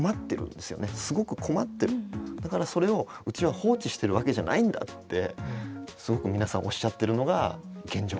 だからそれをうちは放置してるわけじゃないんだってすごく皆さんおっしゃってるのが現状なんです。